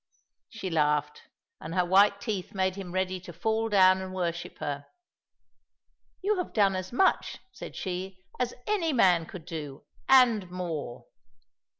She laughed, and her white teeth made him ready to fall down and worship her. "You have done as much," said she, "as any man could do, and more."